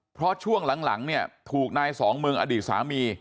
เพราะช่วงหลังเนี่ยถูกนายสองเมืองอดีตสามี